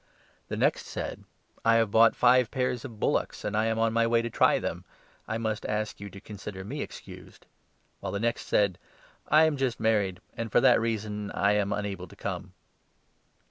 The next said 'I have bought five pairs of 19 bullocks, and I am on my way to try them. I must ask you to consider me excused' ; while the next said ' I am just 20 married, and for that reason I am unable to come.'